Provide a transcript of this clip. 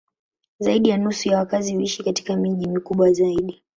Zaidi ya nusu ya wakazi huishi katika miji mikubwa zaidi.